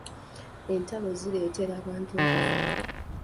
Entalo zireetera abantu okufa.